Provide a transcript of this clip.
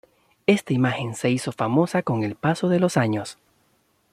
Esta imagen se hizo famosa con el paso de los años.